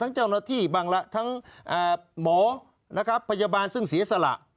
เจ้าหน้าที่บางละทั้งหมอนะครับพยาบาลซึ่งเสียสละ